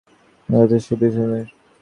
আমাদের যথেষ্ট শক্তি নেই।